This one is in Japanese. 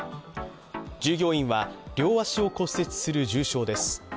従業員は、両足を骨折する重傷です